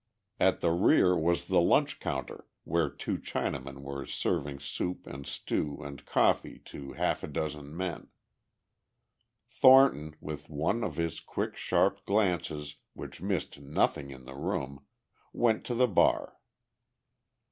At the rear was the lunch counter where two Chinamen were serving soup and stew and coffee to half a dozen men. Thornton, with one of his quick, sharp glances which missed nothing in the room, went to the bar.